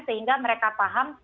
sehingga mereka paham